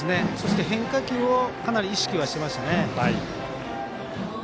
変化球をかなり意識をしてましたね。